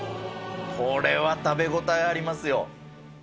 これは食べ応えありますよ。